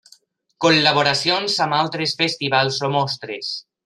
Col·laboracions amb altres festivals o mostres.